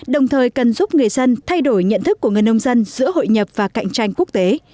đồng thời cần giúp người dân thay đổi nhận thức của người nông dân giữa hội nhập và cạnh tranh quốc tế